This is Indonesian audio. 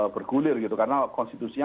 bergulir karena konstitusinya